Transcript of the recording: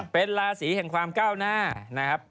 เป็นราศีแห่งความก้าวหน้านะครับ